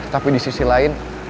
tapi di sisi lain